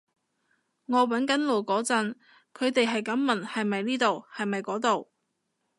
我搵緊路嗰陣，佢哋喺咁問係咪呢度係咪嗰度